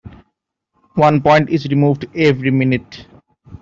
One point is removed every minute.